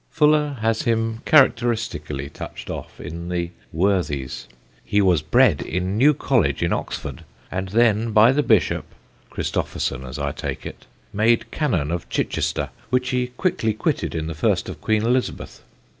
Fuller has him characteristically touched off in the Worthies: "He was bred in New Colledge in Oxford, and then by the Bishop (Christopherson, as I take it) made Cannon of Chichester, which he quickly quitted in the first of Queen Elizabeth.